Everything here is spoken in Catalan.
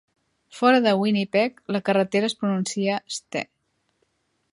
Fora de Winnipeg, la carretera es pronuncia "Ste."